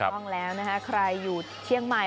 ต้องแล้วนะคะใครอยู่เชียงใหม่